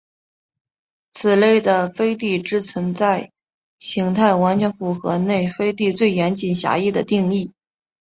此类的飞地之存在型态完全符合内飞地最严谨狭义的定义。